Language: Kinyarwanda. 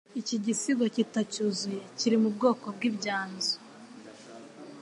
Iki gisigo kitacyuzuye, kiri mu bwoko bw'" Ibyanzu ".